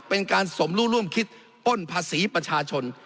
เป็นการสมรู้ร่วมคิดป้นภาษีประชาชน